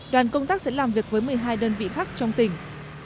đoàn công tác sẽ làm việc với một mươi hai đơn vị khác trong tỉnh